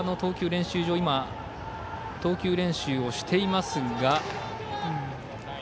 練習場では投球練習をしていますが。